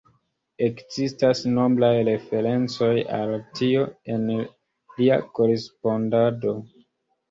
Ekzistas nombraj referencoj al tio en lia korespondado.